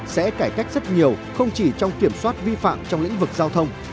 sẽ cải cách rất nhiều không chỉ trong kiểm soát vi phạm trong lĩnh vực giao thông